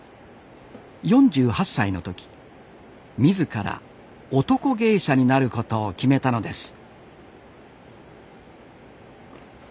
４８歳の時自ら男芸者になることを決めたのです